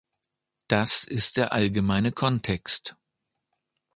Das ist der allgemeine Kontext.